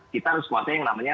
kita harus kuasa yang namanya